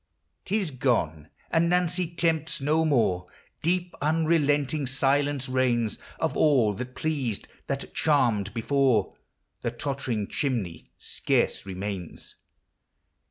'T is gone !— and Nancy tempts no more ; Deep, unrelenting silence reigns ; Of all that pleased, that charmed before, The tottering chimney scarce remains.